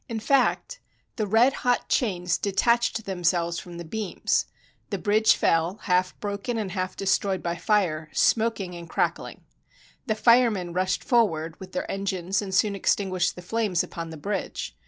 In fact, 287 FRANCE the red hot chains detached themselves from the beams. The bridge fell, half broken and half destroyed by fire, smoking and crackHng. The firemen rushed forward with their engines, and soon extinguished the flames upon the bridge.